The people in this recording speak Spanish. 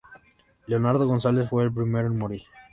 Leonardo González fue el primero en morir.